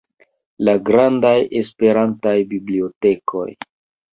La grandaj Esperantaj bibliotekoj.